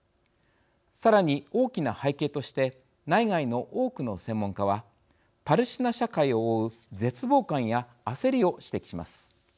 さらに大きな背景として内外の多くの専門家はパレスチナ社会を覆う絶望感や焦りを指摘します。